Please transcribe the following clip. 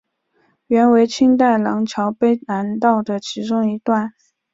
原为清代琅峤卑南道的其中一段。